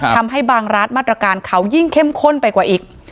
ทำให้บางรัฐมาตรการเขายิ่งเข้มข้นไปกว่าอีก